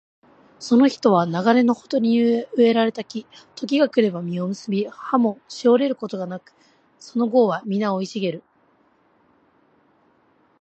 その人は流れのほとりに植えられた木、時が来れば実を結び、葉もしおれることがなく、その業はみな生い茂る